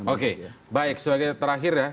oke baik sebagai terakhir ya